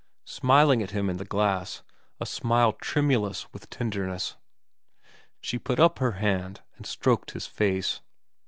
Smiling at him in the glass, a smile tremulous with tenderness, she put up her hand and stroked his face.